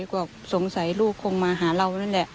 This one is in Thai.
ก็สงสัยลูกคงมาหาเรานั่นแหละ